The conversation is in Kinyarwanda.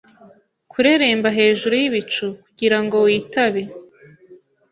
Kureremba hejuru yibicu kugirango witabe